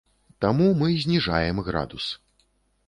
Таму мы зніжаем градус.